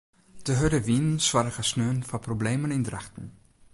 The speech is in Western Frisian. De hurde wyn soarge sneon foar problemen yn Drachten.